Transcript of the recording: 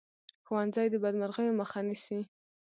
ښوونځی د بدمرغیو مخه نیسي